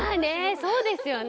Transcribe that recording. そうですよね。